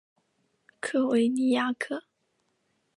科维尼亚克。